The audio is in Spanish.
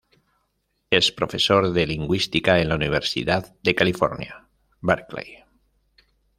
Es profesor de lingüística en la Universidad de California, Berkeley.